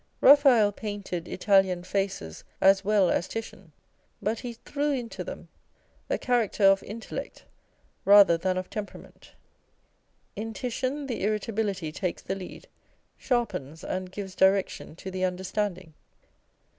Raphael painted Italian faces as well as Titian. But he threw into them a cha racter of intellect rather than of temperament. In Titian the irritability takes the lead, sharpens and gives direction to the understanding.